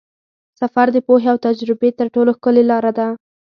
سفر د پوهې او تجربې تر ټولو ښکلې لاره ده.